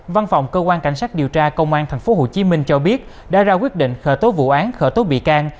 văn phòng cơ quan cảnh sát điều tra công an tp hcm cho biết đã ra quyết định khởi tố vụ án khởi tố bị can